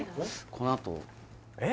このあと・えっ？